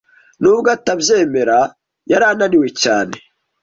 Nubwo atabyemera, yari ananiwe cyane.